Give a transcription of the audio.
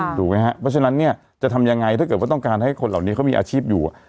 ถูกไหมครับเพราะฉะนั้นเนี่ยจะทำยังไงถ้าเกิดว่าต้องการให้คนเหล่านี้เขามีอาชีพอยู่